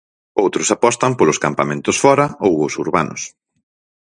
Outros apostan polos campamentos fóra ou os urbanos.